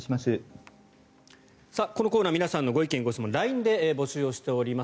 このコーナー皆さんのご意見・ご質問をＬＩＮＥで募集をしております。